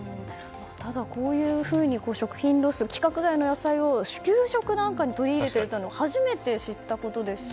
ただ、こういうふうに食品ロス規格外の野菜を給食なんかに取り入れていると初めて知ったことですし。